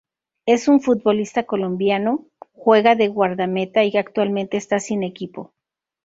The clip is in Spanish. Es un futbolista colombiano, juega de guardameta y actualmente está sin equipo.